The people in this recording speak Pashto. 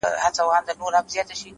مثبت ذهن د حل لارې لټوي’